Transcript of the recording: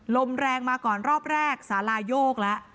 ลมแรงมาก่อนรอบแรกสาลายโยกแล้ว